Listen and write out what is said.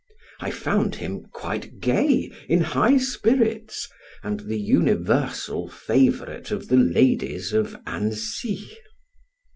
I found him quite gay, in high spirits, and the universal favorite of the ladies of Annecy.